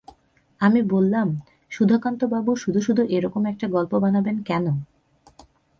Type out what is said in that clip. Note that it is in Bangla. আমি বললাম, সুধাকান্তবাবু শুধু-শুধু এ-রকম একটা গল্প বানাবেন কেন?